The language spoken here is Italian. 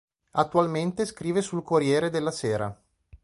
Attualmente scrive sul "Corriere della sera".